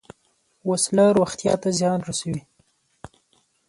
وسله روغتیا ته زیان رسوي